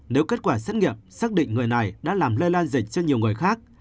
nếu kết quả xét nghiệm xác định người này đã làm lây lan dịch cho nhiều người khác